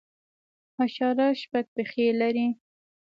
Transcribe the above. حشرات شپږ پښې لري